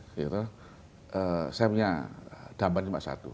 saya punya gambar cuma satu